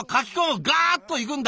ガーッといくんだ！